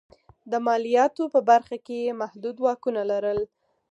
د مالیاتو په برخه کې یې محدود واکونه لرل.